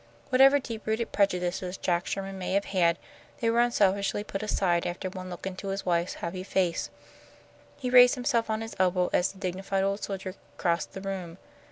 Whatever deep rooted prejudices Jack Sherman may have had, they were unselfishly put aside after one look into his wife's happy face. He raised himself on his elbow as the dignified old soldier crossed the room.